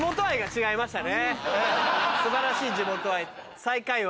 素晴らしい地元愛。